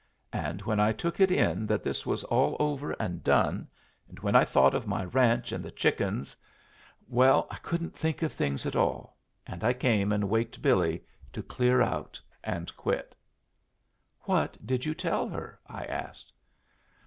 And when I took it in that this was all over and done, and when I thought of my ranch and the chickens well, I couldn't think of things at all, and I came and waked Billy to clear out and quit." "What did you tell her?" I asked.